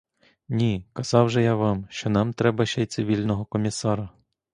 Ні, казав же я вам, що нам треба ще й цивільного комісара!